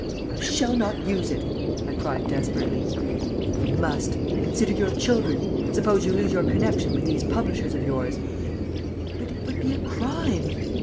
"I shall not use it!" I cried, desperately. "You must consider your children. Suppose you lose your connection with these publishers of yours?" "But it would be a crime."